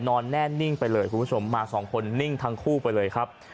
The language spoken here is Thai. นอนแน่นิ่งไปเลยคุณผู้ชมมาสองคนนิ่งทั้งคู่ไปเลยครับ